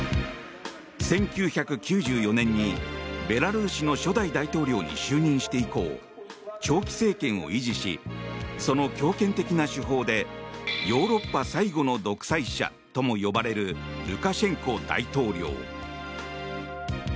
１９９４年にベラルーシの初代大統領に就任して以降長期政権を維持しその強権的な手法でヨーロッパ最後の独裁者とも呼ばれるルカシェンコ大統領。